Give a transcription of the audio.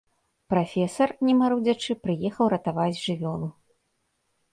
Прафесар, не марудзячы, прыехаў ратаваць жывёлу.